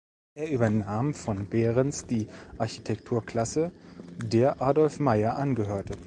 Er übernahm von Behrens die Architekturklasse, der Adolf Meyer angehörte.